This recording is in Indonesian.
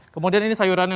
kemudian ini sayurannya